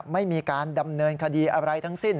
ไม่มีการดำเนินคดีอะไรทั้งสิ้น